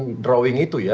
kejadian drawing itu ya